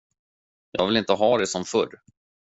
Jag vill inte ha det som förr.